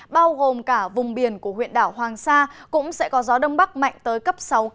bao gồm cả vùng biển của huyện đảo hoàng sa cũng sẽ có gió đông bắc mạnh tới cấp sáu cấp năm